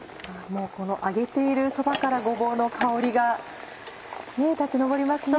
この揚げているそばからごぼうの香りが立ち上りますね。